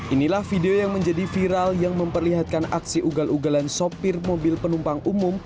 inilah video yang menjadi viral yang memperlihatkan aksi ugal ugalan sopir mobil penumpang umum